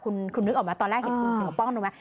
คุณนึกออกมาตอนแรกเห็นป้อนนมไหม